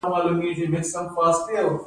رنګین کالي د ښځو لپاره دي.